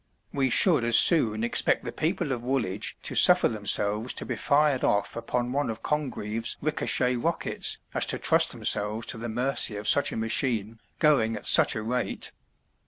We should as soon expect the people of Woolwich to suffer themselves to be fired off upon one of Congreve's richochet rockets as to trust themselves to the mercy of such a machine, going at such a rate.